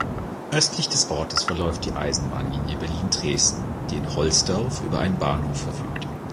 Östlich des Ortes verläuft die Eisenbahnlinie Berlin-Dresden, die in Holzdorf über einen Bahnhof verfügt.